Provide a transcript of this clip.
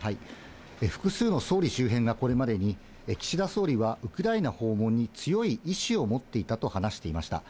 複数の総理周辺がこれまでに岸田総理はウクライナ訪問に強い意思を持っていたと話していました。